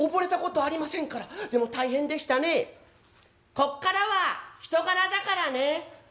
「こっからは人柄だからね」。